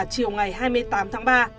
chiều ngày hai mươi tám tháng ba